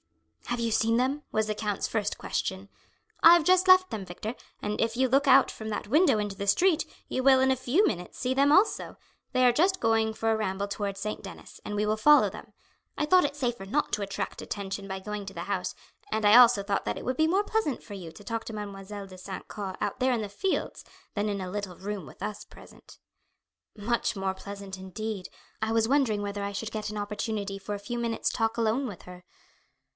"Have you seen them?" was the count's first question. "I have just left them, Victor, and if you look out from that window into the street you will in a few minutes see them also; they are just going for a ramble towards St. Denis, and we will follow them. I thought it safer not to attract attention by going to the house, and I also thought that it would be more pleasant for you to talk to Mademoiselle de St. Caux out there in the fields, than in a little room with us present. "Much more pleasant; indeed, I was wondering whether I should get an opportunity for a few minutes' talk alone with her."